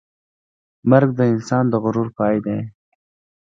مرګ د انسان د غرور پای دی.